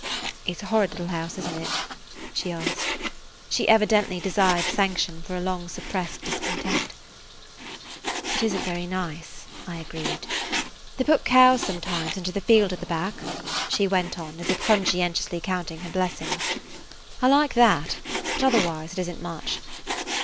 "It 's a horrid little house, isn't it?" she asked. She evidently desired sanction for a long suppressed discontent. [Page 95] "It is n't very nice," I agreed. "They put cows sometimes into the field at the back," she went on, as if conscientiously counting her blessings. "I like that; but otherwise it isn't much."